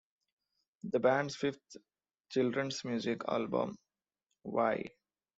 The band's fifth children's music album, Why?